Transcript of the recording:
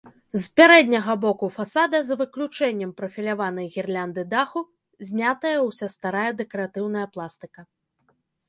З пярэдняга боку фасада, за выключэннем прафіляванай гірлянды даху, знятая ўся старая дэкаратыўная пластыка.